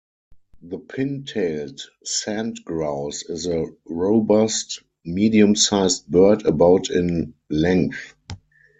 The pin-tailed sandgrouse is a robust, medium-sized bird about in length.